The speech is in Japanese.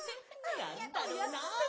なんだろうな？